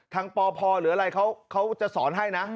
ปพหรืออะไรเขาจะสอนให้นะ